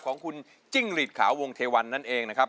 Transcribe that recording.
ของคุณจิ้งหลีดขาววงเทวันนั่นเองนะครับ